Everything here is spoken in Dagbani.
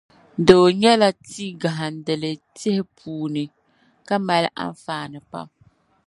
Doo nyɛ la tia gahindili tihi puuni, ka mali anfaani pam.